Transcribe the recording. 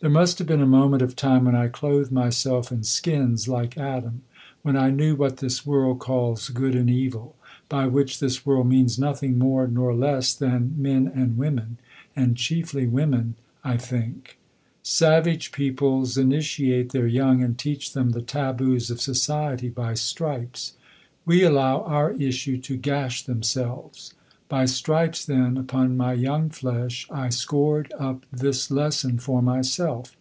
There must have been a moment of time when I clothed myself in skins, like Adam; when I knew what this world calls good and evil by which this world means nothing more nor less than men and women, and chiefly women, I think. Savage peoples initiate their young and teach them the taboos of society by stripes. We allow our issue to gash themselves. By stripes, then, upon my young flesh, I scored up this lesson for myself.